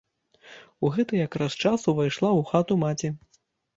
У гэты якраз час увайшла ў хату маці.